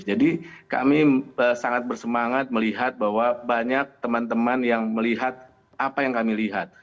jadi kami sangat bersemangat melihat bahwa banyak teman teman yang melihat apa yang kami lihat